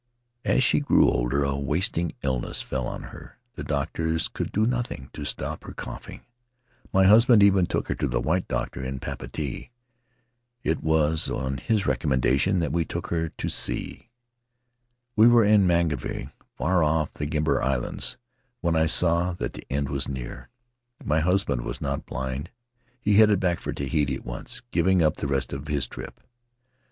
"As she grew older a wasting illness fell on her; the doctors could do nothing to stop her coughing; my husband even took her to the white doctor in Papeete — it was on his recommendation that we took her to sea. [ 301 ] Faery Lands of the South Seas We were in Mangareva, far of! in the Gambier Islands, when I saw that the end was near. My husband was not blind — he headed back for Tahiti at once, giving up the rest of his trip.